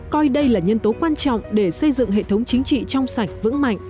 coi đây là nhân tố quan trọng để xây dựng hệ thống chính trị trong sạch vững mạnh